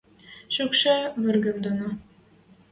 Шӱкшӹ выргем доно...